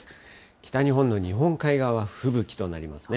北日本の日本海側、吹雪となりますね。